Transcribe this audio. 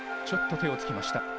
ちょっと手をつきました。